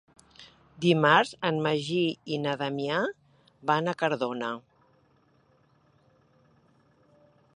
Dimarts en Magí i na Damià van a Cardona.